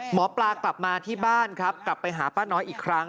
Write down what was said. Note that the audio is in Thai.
หมอปลากลับมาที่บ้านครับกลับไปหาป้าน้อยอีกครั้ง